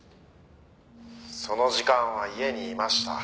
「その時間は家にいました」